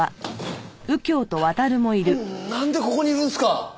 なんでここにいるんすか！？